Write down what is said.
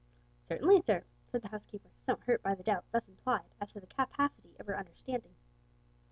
"Certainly, sir," said the housekeeper, somewhat hurt by the doubt thus implied as to the capacity of her understanding.